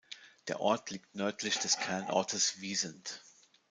Der Ort liegt nördlich des Kernortes Wiesent.